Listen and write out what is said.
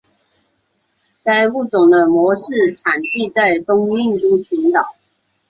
该物种的模式产地在东印度群岛。